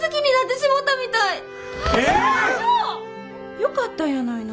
よかったやないの。